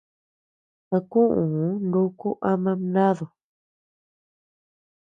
A kuu nuku ama mnadu.